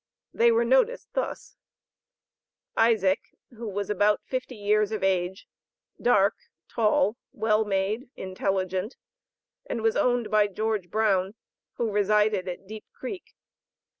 They were noticed thus: Isaac, was about fifty years of age, dark, tall, well made, intelligent, and was owned by George Brown, who resided at Deep Creek.